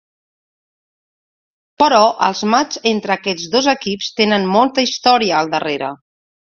Però els matxs entre aquests dos equips tenen molta història al darrere.